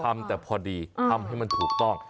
ทำแต่พอดีทำให้มันถูกต้อง